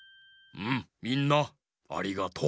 みんなありがとう。